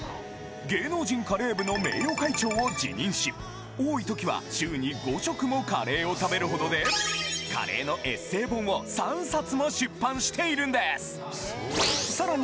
芸能人カレー部の名誉会長を自任し多い時は週に５食もカレーを食べるほどでカレーのエッセイ本を３冊も出版しているんですさらに